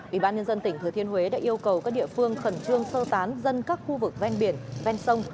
ủy ban nhân dân tỉnh thừa thiên huế đã yêu cầu các địa phương khẩn trương sơ tán dân các khu vực ven biển ven sông